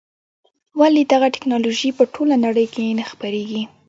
ولې دغه ټکنالوژي په ټوله نړۍ کې نه خپرېږي.